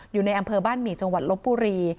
อยู่ในอำเภอบ้านหมี่จังหวัดลบบุรี